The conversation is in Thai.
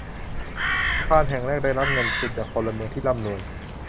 สะพานแห่งแรกได้รับเงินทุนจากพลเมืองที่ร่ำรวย